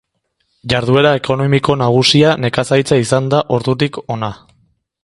Jarduera ekonomiko nagusia nekazaritza izan da ordutik hona.